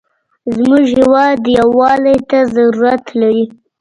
زموږ هېواد یوالي ته ضرورت لري.